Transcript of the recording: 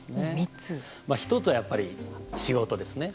１つはやっぱり仕事ですね。